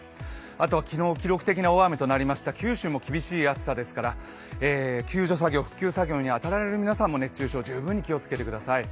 あとは昨日、記録的な大雨となりました九州も厳しい暑さですから救助作業、復旧作業に当たられる皆さんも熱中症、十分に気をつけてください